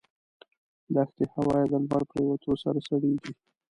دښتي هوا یې د لمر پرېوتو سره سړېږي.